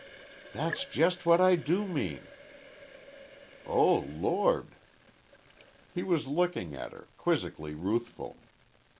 "That's just what I do mean." "Oh Lord?" He was looking at her, quizzically ruthful.